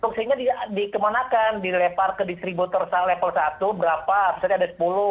karena itu dikemanakan dilepar ke distributor level satu berapa misalnya ada sepuluh